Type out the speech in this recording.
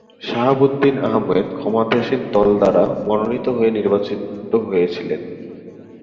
শাহাবুদ্দিন আহমেদ ক্ষমতাসীন দল দ্বারা মনোনীত হয়ে নির্বাচিত হয়েছিলেন।